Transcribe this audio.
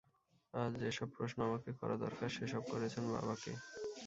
আর যে-সব প্রশ্ন আমাকে করা দরকার, সেসব করছেন বাবাকে।